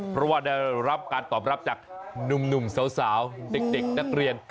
เพราะว่าได้รับการตอบรับจากหนุ่มสาวเด็กนักเรียน